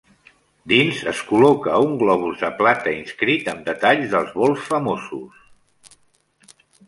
Dins es col·loca un globus de plata inscrit amb detalls dels vols famosos.